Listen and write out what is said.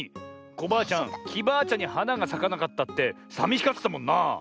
コバアちゃんきバアちゃんにはながさかなかったってさみしがってたもんな！